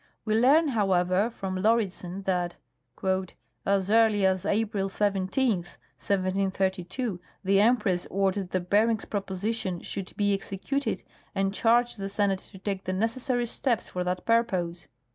We learn, however, from Lauridsen that " as early as April 17 (1732) the Empress ordered that Bering's proposition should be executed, and charged the Senate to take the necessary steps for that purpose.